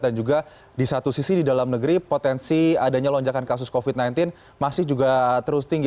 dan juga di satu sisi di dalam negeri potensi adanya lonjakan kasus covid sembilan belas masih juga terus tinggi